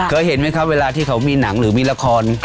เคยเห็นไหมครับเวลาที่เขามีหนังหรือมีละคร